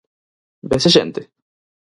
Vese xente?